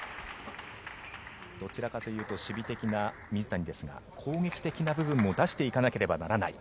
どちらかというと守備的な水谷ですが攻撃的な部分も出していかなければならない。